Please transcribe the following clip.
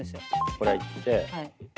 これいって。